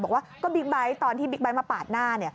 บอกว่าก็บิ๊กไบท์ตอนที่บิ๊กไบท์มาปาดหน้า